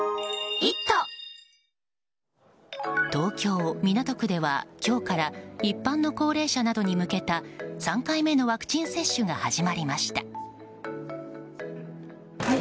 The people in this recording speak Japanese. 東京・港区では今日から一般の高齢者などに向けた３回目のワクチン接種が始まりました。